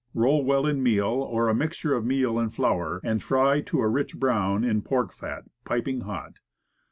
Roll well in meal, or a mixture of meal and flour, and fry to a rich brown in pork fat, piping hot.